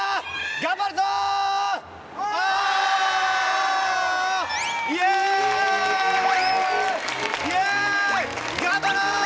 頑張ろう！